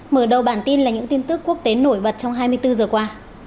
mở đầu bản tin là những tin tức quốc tế nổi bật trong hai mươi bốn giờ qua